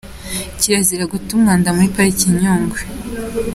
Kirazira guta umwanda muri Pariki ya Nyungwe